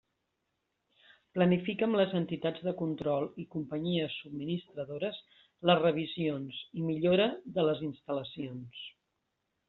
Planifica amb les entitats de control i companyies subministradores les revisions i millora de les instal·lacions.